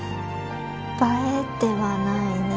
映えてはないね。